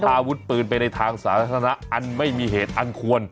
อาวุธปืนไปในทางสาธารณะอันไม่มีเหตุอันควร